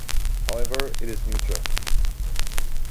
However, it is neuter.